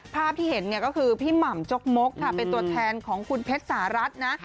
ภาพที่เห็นเนี่ยก็คือพี่หม่ำจกมกค่ะเป็นตัวแทนของคุณเพชรสหรัฐนะ